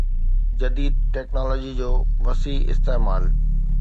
جديد ٽيڪنالاجي جو وسيع استعمال